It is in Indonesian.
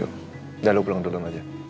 tidak lo pulang dulu aja